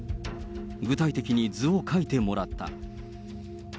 具体的に図を描いてもらった。